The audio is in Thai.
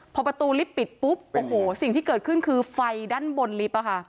พอประตูลิฟต์ปิดปุ๊บโอ้โหสิ่งที่เกิดขึ้นคือไฟด้านบนลิฟต์